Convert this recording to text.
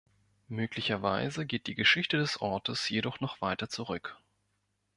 Möglicherweise geht die Geschichte des Ortes jedoch noch weiter zurück.